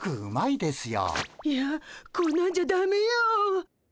いやこんなんじゃダメよ。